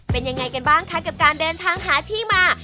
เป็นยังไงกันบ้างคะกับการเดินทางหาที่มา